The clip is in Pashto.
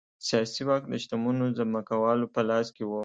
سیاسي واک د شتمنو ځمکوالو په لاس کې و.